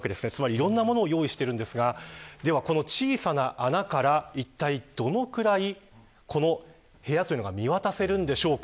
いろいろなものを用意しているんですがこの小さな穴からいったいどのくらいこの部屋というのが見渡せるんでしょうか。